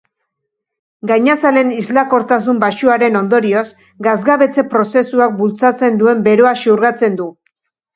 Gainazalen islakortasun baxuaren ondorioz, gasgabetze-prozesuak bultzatzen duen beroa xurgatzen du.